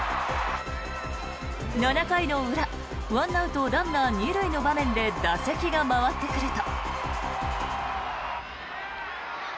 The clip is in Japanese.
７回の裏１アウト、ランナー２塁の場面で打席が回ってくると。